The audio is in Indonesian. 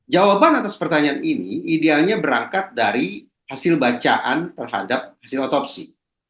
jawaban atas pertanyaan ini idealnya berangkat dari hasil bacaan terhadap hasil otopsi